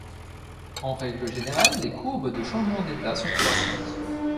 En règle générale, les courbes de changement d'état sont croissantes.